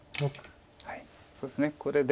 そうですねこれで。